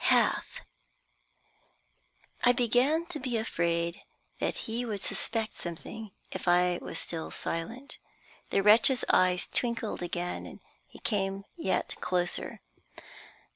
"Half." I began to be afraid that he would suspect something if I was still silent. The wretch's eyes twinkled again and he came yet closer.